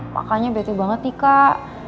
makanya betul banget nih kak